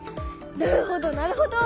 なるほどなるほど。